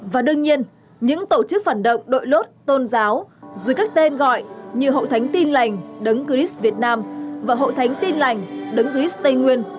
và đương nhiên những tổ chức phản động đội lốt tôn giáo dưới các tên gọi như hậu thánh tin lành đấng christ việt nam và hội thánh tin lành đấng chris tây nguyên